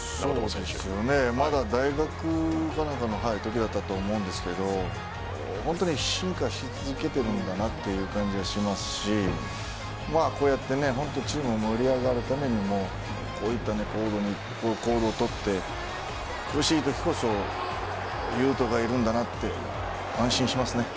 まだ大学かなんかのときだったと思うんですけど本当に進化し続けてるんだなという感じがしますしこうやってね本当チームを盛り上げるためにもこういった行動を取って苦しいときこそ佑都がいるんだなって安心しますね。